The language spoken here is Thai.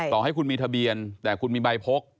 ต่อให้คุณมีทะเบียนแต่คุณมีใบพก